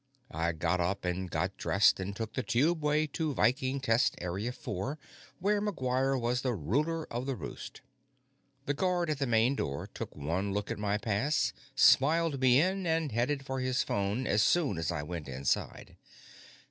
I got up and got dressed and took the tubeway to Viking Test Area Four, where McGuire was the ruler of the roost. The guard at the main door took one look at my pass, smiled me in, and headed for his phone as soon as I went inside.